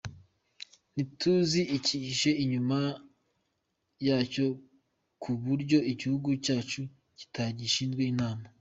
Ntituzi icyihishe inyuma yacyo ku buryo igihugu cyacu kitagishijwe inama.